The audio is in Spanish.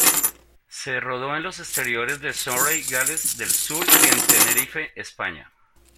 Se rodó en los exteriores de Surrey, Gales del Sur y en Tenerife, España.